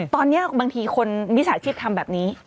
ตอนนี้บางทีมีสาธิตทำแบบนี้